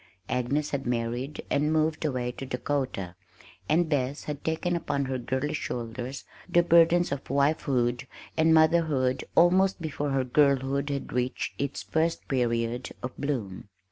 Agnes had married and moved away to Dakota, and Bess had taken upon her girlish shoulders the burdens of wifehood and motherhood almost before her girlhood had reached its first period of bloom.